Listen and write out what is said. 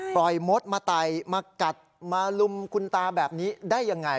มดมาไต่มากัดมาลุมคุณตาแบบนี้ได้ยังไง